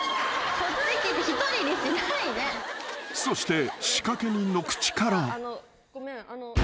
［そして仕掛け人の口から］